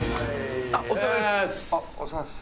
あっお疲れさまです！